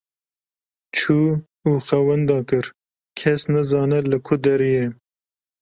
Çû û xwe wenda kir, kes nizane li ku derê ye.